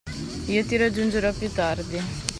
Io ti raggiungerò più tardi.